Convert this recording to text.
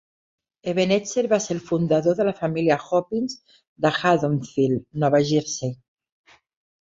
Ebenezer va ser el fundador de la família Hopkins de Haddonfield, Nova Jersey.